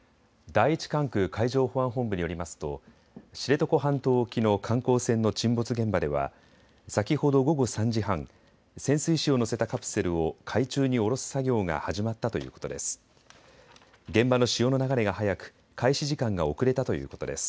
第１管区海上保安本部によりますと知床半島沖の観光船の沈没現場では先ほど午後３時半、潜水士を乗せたカプセルを海中に下ろす作業が始まったということです。